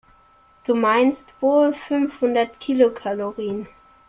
Du meinst wohl fünfhundert Kilokalorien.